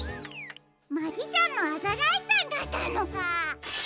マジシャンのアザラーシさんだったのか。